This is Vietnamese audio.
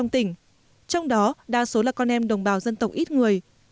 trong đó đa số là con em đồng bào dân tộc ít người